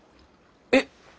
えっ？